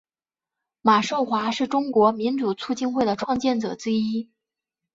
马寿华是中国民主促进会的创建者之一。